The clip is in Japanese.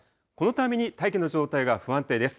このために大気の状態が不安定です。